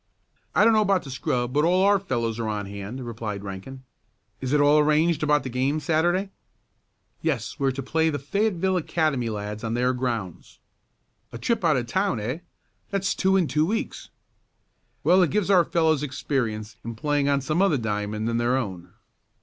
"I don't know about the scrub, but all our fellows are on hand," replied Rankin. "Is it all arranged about the game Saturday?" "Yes, we're to play the Fayetteville Academy lads on their grounds." "A trip out of town, eh? That's two in two weeks." "Well it gives our fellows experience in playing on some other diamond than their own."